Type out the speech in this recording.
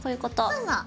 そうそう。